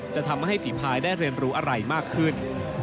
จะทำให้ฝีภายได้เรียนรู้อะไรมากขึ้น